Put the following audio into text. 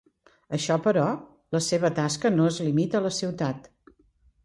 Això però, la seva tasca no es limita a la ciutat.